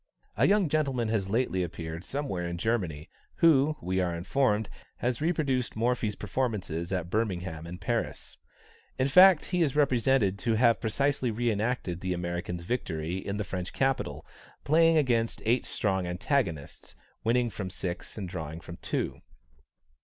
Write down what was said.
A young gentleman has lately appeared somewhere in Germany, who, we are informed, has reproduced Morphy's performances at Birmingham and Paris. In fact he is represented to have precisely re enacted the American's victory in the French capital, playing against eight strong antagonists, winning from six and drawing from two.